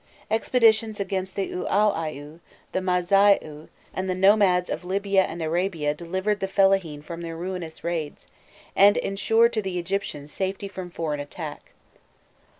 Expeditions against the Ûaûaiû, the Mâzaiû, and the nomads of Libya and Arabia delivered the fellahîn from their ruinous raids and ensured to the Egyptians safety from foreign attack.